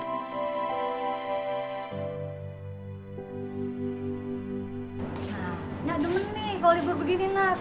nggak demen nih kalau libur begini nak jangan sama lo